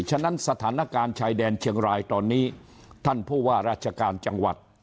ฉะนั้นสถานการณ์ชายแดนเชียงรายตอนนี้ท่านผู้ว่าราชการจังหวัด